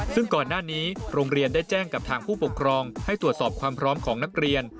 ซึ่งก่อนหน้านี้โรงเรียนได้แจ้งกับทางผู้ปกครองให้ตรวจสอบความพร้อมของนักเรียน